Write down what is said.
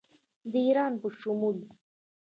د ایران په شمول